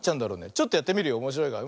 ちょっとやってみるよおもしろいから。